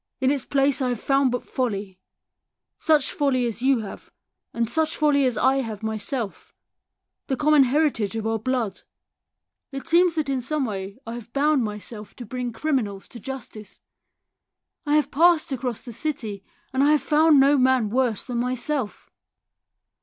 In its place I have found but folly such folly as you have, such folly as I have myself the common heritage of our blood. It seems that in some way I have bound THE SOUL OF A POLICEMAN 197 myself to bring criminals to justice. I have passed across the city, and I have found no man worse than myself.